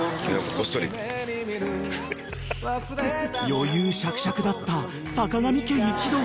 ［余裕しゃくしゃくだった坂上家一同］